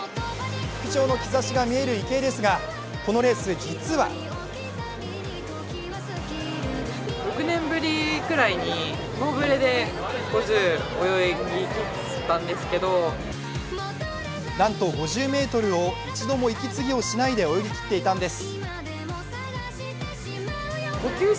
復調の兆しが見える池江ですがこのレース、実はなんと５０ｍを一度も息継ぎをしないで泳ぎ切っていたんです。